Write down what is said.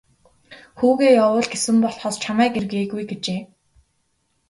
Хүүгээ явуул гэсэн болохоос чамайг ир гээгүй гэжээ.